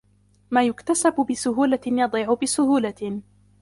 ما يكتسب بسهولة يضيع بسهولة.